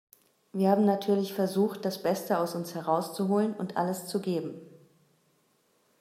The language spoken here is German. Wir haben natürlich versucht, das Beste aus uns herauszuholen und alles zu geben.